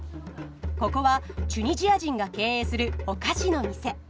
ここはチュニジア人が経営するお菓子の店。